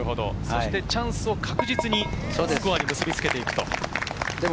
チャンスを確実にスコアに結び付けていく。